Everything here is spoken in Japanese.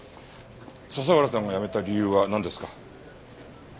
佐々浦さんが辞めた理由はなんですか？